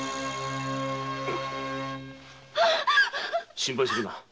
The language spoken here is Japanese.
心配するな。